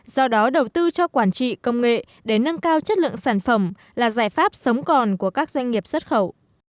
do đó đầu tư cho quản trị công nghệ để nâng cao chất lượng sản phẩm là giải pháp sống còn của các doanh nghiệp xuất khẩu